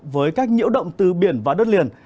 với các nhiễu động từ biển và đất liền